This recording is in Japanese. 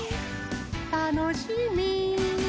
たのしみ。